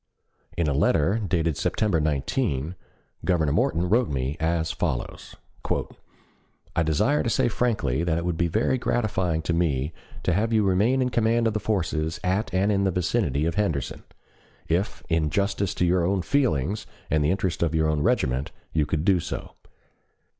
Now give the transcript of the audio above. In a letter, dated September 19, Governor Morton wrote me as follows: "I desire to say frankly that it would be very gratifying to me to have you remain in command of the forces at and in the vicinity of Henderson, if in justice to your own feelings and the interest of your own regiment, you could do so.